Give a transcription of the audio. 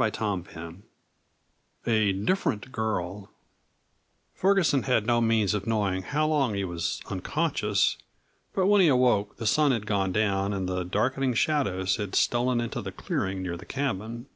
CHAPTER IV A "DIFFERENT GIRL" Ferguson had no means of knowing how long he was unconscious, but when he awoke the sun had gone down and the darkening shadows had stolen into the clearing near the cabin.